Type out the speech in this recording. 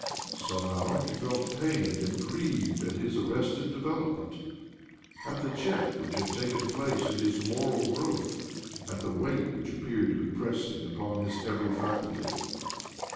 Somehow he felt pained and grieved at his arrested development, at the check which had taken place in his moral growth, at the weight which appeared, to be pressing upon his every faculty.